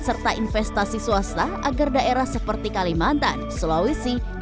saya pikir itu adalah bagian yang sangat penting terutama di pos covid